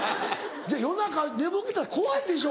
夜中寝ぼけたら怖いでしょ？